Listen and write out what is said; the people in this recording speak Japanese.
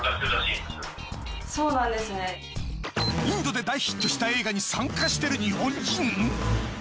インドで大ヒットした映画に参加してる日本人？